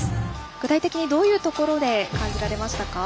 具体的にどういうところで感じられましたか？